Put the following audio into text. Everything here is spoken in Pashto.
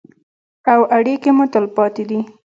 او اړیکې مو تلپاتې دي.